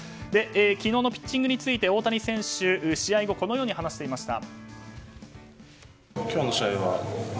昨日のピッチングについて大谷選手は試合後このように話していました。